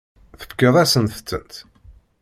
Tefkiḍ-asent-tent?